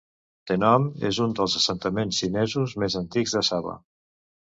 Tenom és un dels assentaments xinesos més antics de Sabah.